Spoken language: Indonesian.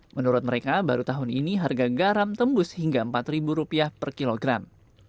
menurut mereka baru tahun ini harga garam tembus hingga rp empat per kilogram